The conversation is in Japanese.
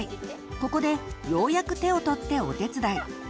ここでようやく手を取ってお手伝い。